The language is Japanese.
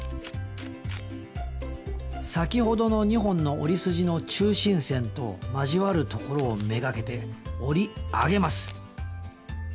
先ほどの２本の折り筋の中心線と交わるところを目がけて折り上げます。